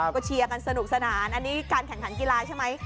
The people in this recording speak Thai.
ก็เชียร์กันสนุกสนานอันนี้การแข่งขันกีฬาใช่ไหม